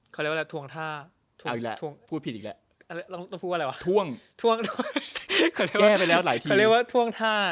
เขาเรียกว่าท่วงท่า